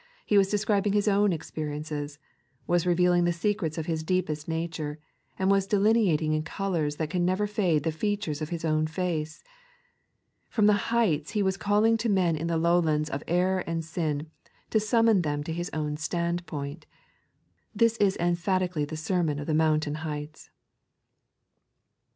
He was de scribing His own experiences, was reveling the secrets of Hia deepest nature, and was delineating in colours that can never fade the features of His own face. From the heights. He was calling to men in the lowlands of error and sin, to summon them to His own standpoint. This is emphatically the sermon of the mountain heights.